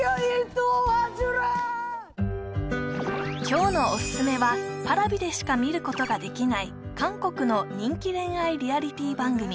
今日のおすすめはＰａｒａｖｉでしか見ることができない韓国の人気恋愛リアリティー番組